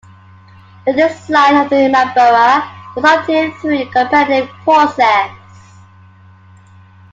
The design of the Imambara was obtained through a competitive process.